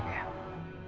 orang yang tadi itu